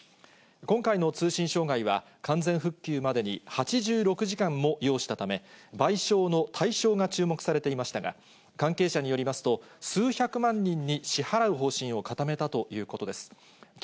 今回の通信障害は、完全復旧までに８６時間も要したため、賠償の対象が注目されていましたが、関係者によりますと、数百万人に支払う方針を固めたということです。